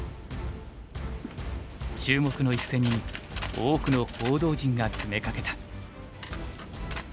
注目の一戦に多くの報道陣が詰めかけた。